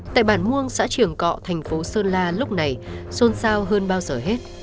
tại bản muông xã trường cọ thành phố sơn la lúc này xôn xao hơn bao giờ hết